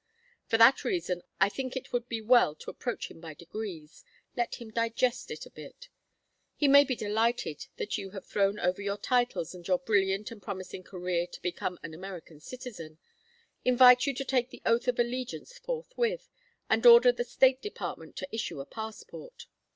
For that reason I think it would be well to approach him by degrees, let him digest it a bit. He may be delighted that you have thrown over your titles and your brilliant and promising career to become an American citizen, invite you to take the oath of allegiance forthwith, and order the State Department to issue a passport.